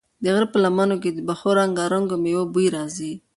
د غره په لمنو کې د پخو رنګارنګو مېوو بوی راځي.